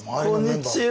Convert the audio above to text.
こんにちは！